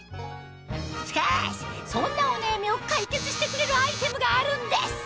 しかしそんなお悩みを解決してくれるアイテムがあるんです